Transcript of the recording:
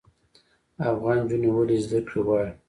افغان نجونې ولې زده کړې غواړي؟